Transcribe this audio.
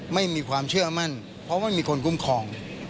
ไม่มีความเชื่อมั่นเพราะไม่มีคนคุ้มครอง